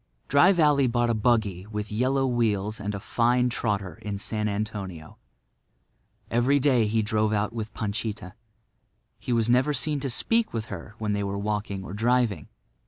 Dry Valley bought a buggy with yellow wheels and a fine trotter in San Antonio. Every day he drove out with Panchita. He was never seen to speak to her when they were walking or driving.